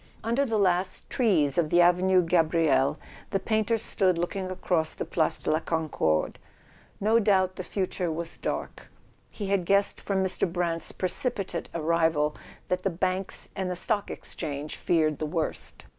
Under the last trees of the Avenue Gabriel the painter stood looking across the Place de la Concorde. No doubt the future was dark: he had guessed from Mr. Brant's precipitate arrival that the banks and the Stock Exchange feared the worst.